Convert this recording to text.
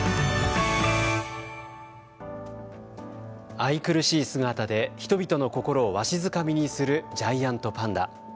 愛くるしい姿で人々の心をわしづかみにするジャイアントパンダ。